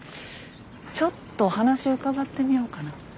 ちょっと話伺ってみようかな。